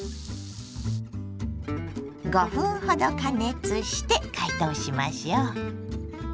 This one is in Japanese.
５分ほど加熱して解凍しましょう。